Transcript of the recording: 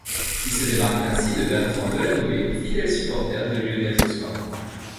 Il se démarque ainsi de Bertrand Delanoë, fidèle supporter de Lionel Jospin.